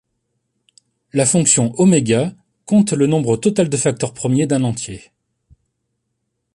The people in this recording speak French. La fonction Ω compte le nombre total de facteurs premiers d'un entier.